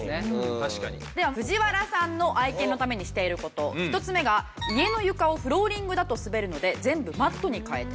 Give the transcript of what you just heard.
では藤原さんの愛犬のためにしている事１つ目が家の床をフローリングだと滑るので全部マットに変えた。